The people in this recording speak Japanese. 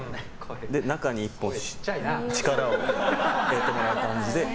中に力を入れてもらう感じで。